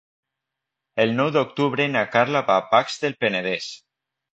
El nou d'octubre na Carla va a Pacs del Penedès.